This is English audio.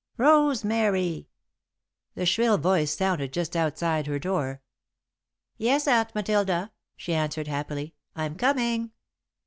"Rosemary!" The shrill voice sounded just outside her door. "Yes, Aunt Matilda," she answered, happily; "I'm coming!"